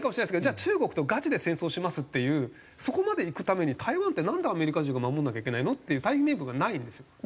じゃあ中国とガチで戦争をしますっていうそこまでいくために台湾ってなんでアメリカ人が守らなきゃいけないのっていう大義名分がないんですよ。